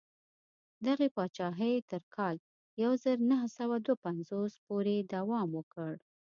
دغې پاچاهۍ تر کال یو زر نهه سوه دوه پنځوس پورې دوام وکړ.